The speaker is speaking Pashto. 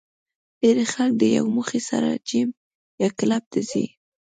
ډېری خلک د یوې موخې سره جېم یا کلب ته ځي